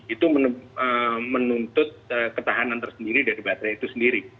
itu menuntut ketahanan tersendiri dari baterai itu sendiri